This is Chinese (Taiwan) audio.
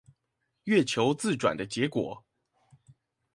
月球自轉的結果